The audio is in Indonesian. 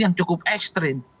yang cukup ekstrim